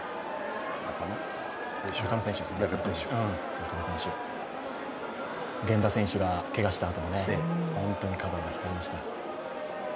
中野選手、源田選手がけがしたあと、本当に頑張ってくれました。